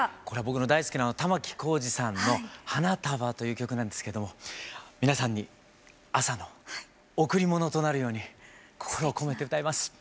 これは僕の大好きな玉置浩二さんの「花束」という曲なんですけども皆さんに朝の贈り物となるように心を込めて歌います。